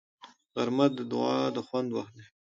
غرمه د دعا د خوند وخت دی